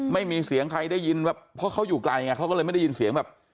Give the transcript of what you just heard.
ไม่มีเสียงใครได้ยินแบบเพราะเขาอยู่ไกลไงเขาก็เลยไม่ได้ยินเสียงแบบ